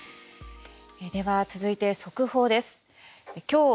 では、続いて速報です。